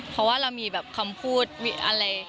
เพราะว่าเราก็มีคำพูดนะฉัน